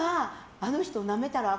あの人なめたらあ